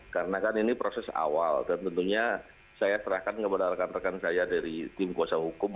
karena kan ini proses awal dan tentunya saya serahkan kepada rekan rekan saya dari tim kuasa hukum